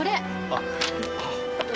あっ。